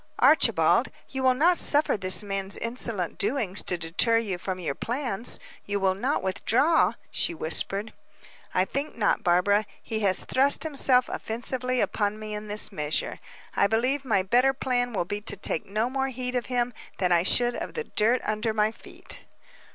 "Archibald, you will not suffer this man's insolent doings to deter you from your plans you will not withdraw?" she whispered. "I think not, Barbara. He has thrust himself offensively upon me in this measure; I believe my better plan will be to take no more heed of him than I should of the dirt under my feet."